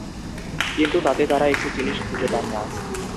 কিন্তু তাতে তারা একটা জিনিস খুঁজে পান না।